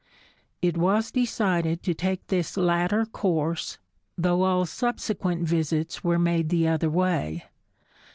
It was decided to take this latter course, though all subsequent visits were made the other way.